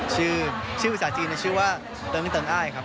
ชื่อชื่อภาษาจีนน่ะชื่อว่าตังอาอยครับ